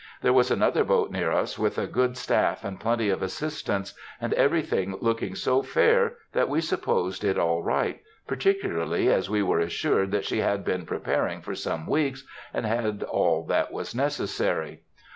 There was another boat near us with a good staff and plenty of assistants, and everything looking so fair that we supposed it all right, particularly as we were assured that she had been "preparing" for some weeks, and had "all that was necessary."